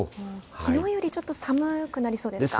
きのうよりちょっと寒くなりそうですか。